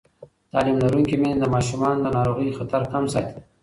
تعلیم لرونکې میندې د ماشومانو د ناروغۍ خطر کم ساتي.